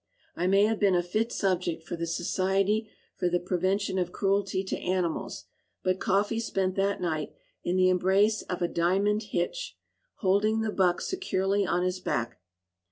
I may have been a fit subject for the Society for the Prevention of Cruelty to Animals, but "Coffee" spent that night in the embrace of a "diamond hitch," holding the buck securely on his back.